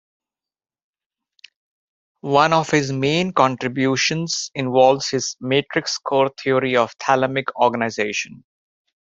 One of his main contributions involves his Matrix-Core theory of thalamic organization.